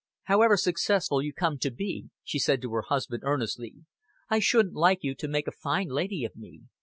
"However successful you come to be," she said to her husband, earnestly, "I shouldn't like you to make a fine lady of me.